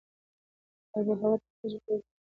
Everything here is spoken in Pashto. آب وهوا د افغانستان د جغرافیې یوه بېلګه ده.